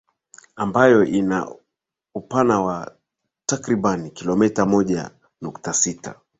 ambayo yana upana wa takriban kilomita moja nukta sita